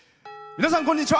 皆さん、こんにちは。